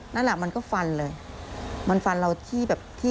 นั่นแหละมันก็ฟันเลยมันฟันเราที่แบบที่